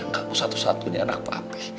kamu satu satunya anak pape